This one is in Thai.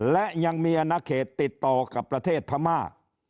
และยังมีอนาเขตติดต่อกับประเทศพม่า